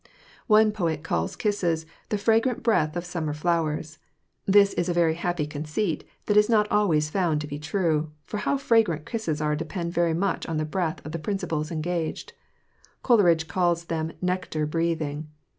One poet calls kisses "the fragrant breath of summer flowers." This is a very happy conceit that is not always found to be true, for how fragrant kisses are depends very much on the breath of the principals engaged. Coleridge calls them "nectar breathing."